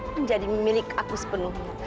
menjadi milik aku sepenuhnya